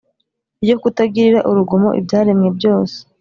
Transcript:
ryo kutagirira urugomo ibyaremwe byose.